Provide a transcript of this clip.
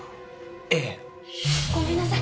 ええ。ごめんなさい。